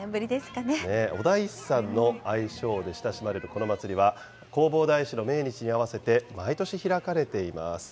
おだいっさんの愛称で親しまれるこの祭りは、弘法大師の命日に合わせて毎年開かれています。